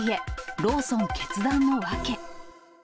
ローソン決断の訳。